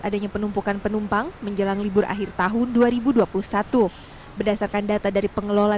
adanya penumpukan penumpang menjelang libur akhir tahun dua ribu dua puluh satu berdasarkan data dari pengelola